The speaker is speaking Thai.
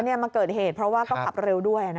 แล้วนี่มันเกิดเหตุเพราะว่าต้องขับเร็วด้วยนะ